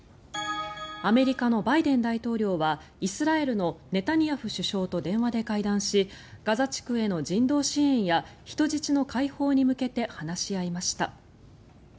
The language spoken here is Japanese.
アメリカのバイデン大統領はイスラエルのネタニヤフ首相と電話で会談しガザ地区への人道支援や人質の解放に向けて話し合いました。